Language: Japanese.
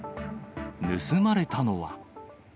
盗まれたのは。